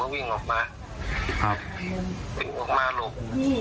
วิ่งออกมาหลบ